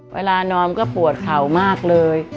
เวลานอนก็ปวดเข่ามากเลย